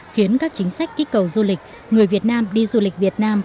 khiến các chính sách kích cầu du lịch người việt nam đi du lịch việt nam